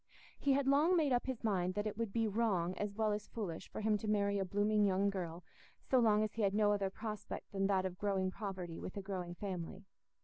He had long made up his mind that it would be wrong as well as foolish for him to marry a blooming young girl, so long as he had no other prospect than that of growing poverty with a growing family.